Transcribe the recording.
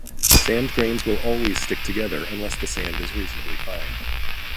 Sand grains will always stick together unless the sand is reasonably fine.